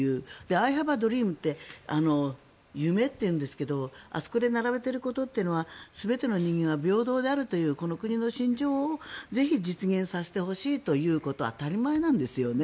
アイ・ハブ・ア・ドリームって夢というんですけどあそこで並べていることというのは全ての人間が平等であるというこの国の信条をぜひ実現させてほしいということ当たり前なんですよね。